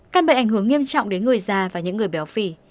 căn bệnh ảnh hưởng nghiêm trọng đến người già và những người béo phì